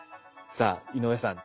さあ井上さん